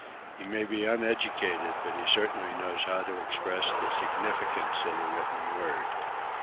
He may be uneducated, but he certainly knows how to express the significance of the written word.